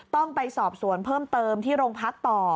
ต้องไปสอบสวนเพิ่มเติมที่โรงพักต่อ